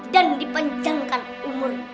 dan dipanjangkan umur